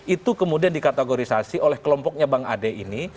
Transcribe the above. itu kemudian dikategorisasi oleh kelompoknya bang ade ini